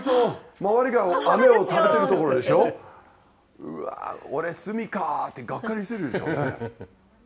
周りがあめを食べてるところでしょ、うわー、俺、炭かって、がっくりきてるでしょ。